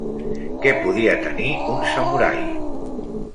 Què podia tenir un samurai?